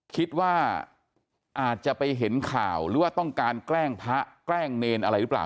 คิดว่าอาจจะไปเห็นข่าวหรือว่าต้องการแกล้งพระแกล้งเนรอะไรหรือเปล่า